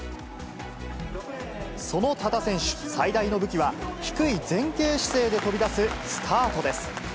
その多田選手、最大の武器は、低い前傾姿勢で飛び出すスタートです。